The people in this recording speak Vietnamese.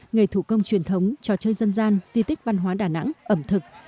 nghề thủ công truyền thống trò chơi dân gian di tích văn hóa đà nẵng ẩm thực